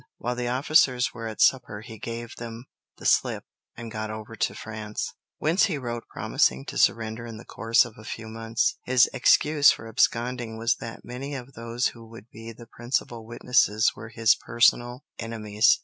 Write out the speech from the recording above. While the officers were at supper he gave them the slip and got over to France, whence he wrote promising to surrender in the course of a few months. His excuse for absconding was that many of those who would be the principal witnesses were his personal enemies.